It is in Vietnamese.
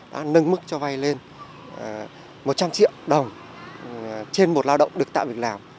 đã nâng mức cho vay lên một trăm linh triệu đồng trên một lao động được tạo việc làm